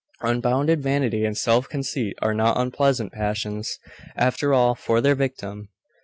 Unbounded vanity and self conceit are not unpleasant passions, after all, for their victim.